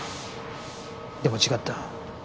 でも違った。